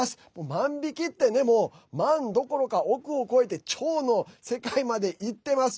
万引きってね万どころか億を超えて兆の世界までいっています。